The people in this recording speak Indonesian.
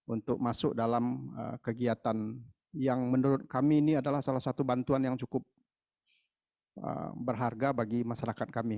untuk masuk dalam kegiatan yang menurut kami ini adalah salah satu bantuan yang cukup berharga bagi masyarakat kami